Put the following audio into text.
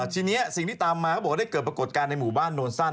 ทีนี้สิ่งที่ตามมาเขาบอกว่าได้เกิดปรากฏการณ์ในหมู่บ้านโนนสั้น